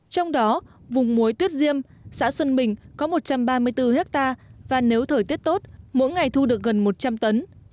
trong đó vùng muối tuyết diêm xã xuân bình có một trăm ba mươi bốn hectare và nếu thời tiết tốt mỗi ngày thu được gần một trăm linh tấn